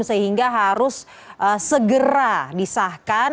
sehingga harus segera disahkan